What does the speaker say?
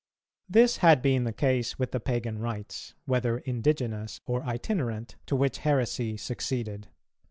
This had been the case with the pagan rites, whether indigenous or itinerant, to which heresy succeeded.